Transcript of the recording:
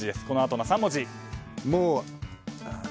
このあとの３文字。